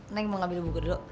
neng mau ngambil buku dulu